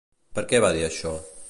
Per què va dir això?